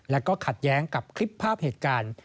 แล้วก็ขัดแย้งกับคลิปภาพเหตุการณ์